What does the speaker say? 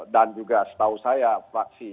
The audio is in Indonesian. dan juga setahu saya praksi